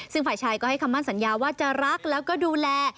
ซึ่งฝ่ายชายก็ให้คำมั่นสัญญาว่าจะรักแล้วก็ดูแล